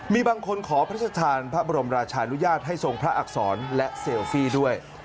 มีบางคนขอพระราชทานพระบรมราชานุญาตให้ทรงพระอักษรและเซลฟี่ด้วย